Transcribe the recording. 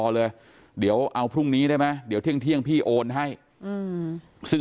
เลยเดี๋ยวเอาพรุ่งนี้ได้ไหมเดี๋ยวเที่ยงพี่โอนให้ซึ่ง